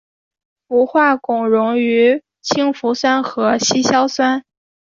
氟化汞溶于氢氟酸和稀硝酸。